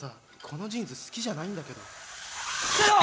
このジーンズ好きじゃないんだけど伏せろ！